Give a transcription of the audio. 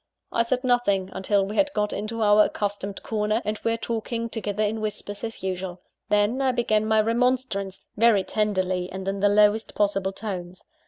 I said nothing until we had got into our accustomed corner, and were talking together in whispers as usual. Then I began my remonstrance very tenderly, and in the lowest possible tones.